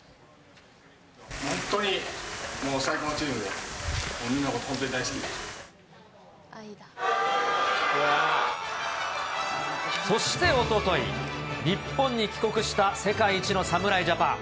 本当にもう最高のチームで、そしておととい、日本に帰国した世界一の侍ジャパン。